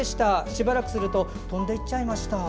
しばらくすると飛んでいっちゃいました。